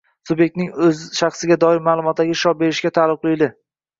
subyektning o‘z shaxsga doir ma’lumotlariga ishlov berilishiga taalluqli